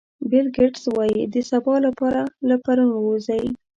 بیل ګېټس وایي د سبا لپاره له پرون ووځئ.